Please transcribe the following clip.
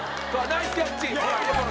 ナイスキャッチ！